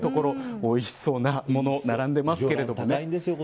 おいしそうなもの並んでますけど。